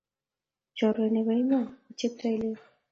Chorwet nebo Iman ko cheptoilel